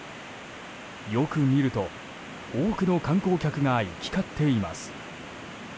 よく見ると、多くの観光客が行き交っています。